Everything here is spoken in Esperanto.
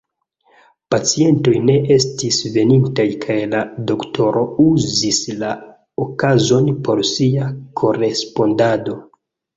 Pacientoj ne estis venintaj kaj la doktoro uzis la okazon por sia korespondado.